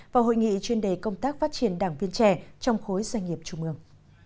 và hội nghị chuyên đề công tác phát triển đảng viên trẻ trong khối doanh nghiệp trung ương